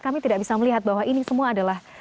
kami tidak bisa melihat bahwa ini semua adalah